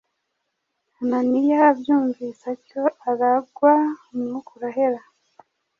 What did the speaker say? Ananiya abyumvise atyo, aragwa, umwuka urahera